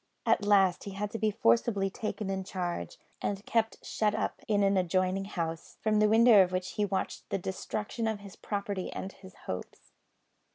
At last he had to be forcibly taken in charge, and kept shut up in an adjoining house, from the window of which he watched the destruction of his property and his hopes.